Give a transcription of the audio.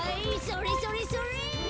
それそれそれ！